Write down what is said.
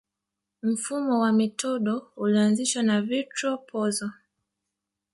Mfumo wa metodo ulianzishwa na Vittorio Pozzo